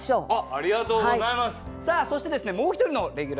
ありがとうございます。